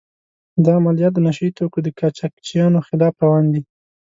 دا عملیات د نشه يي توکو د قاچاقچیانو خلاف روان دي.